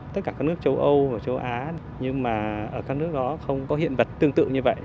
tất cả các nước châu âu và châu á nhưng mà ở các nước đó không có hiện vật tương tự như vậy